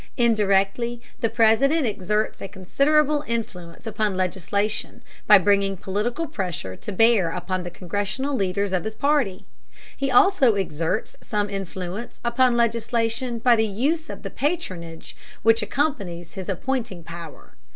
Indirectly the President exerts a considerable influence upon legislation by bringing political pressure to bear upon the Congressional leaders of his party. He also exerts some influence upon legislation by the use of the patronage which accompanies his appointing power.